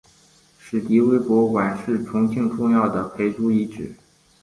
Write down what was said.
史迪威博物馆是重庆重要的陪都遗迹。